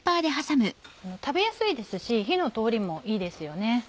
食べやすいですし火の通りもいいですよね。